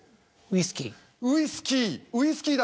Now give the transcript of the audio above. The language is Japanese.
ウイスキーウイスキー樽。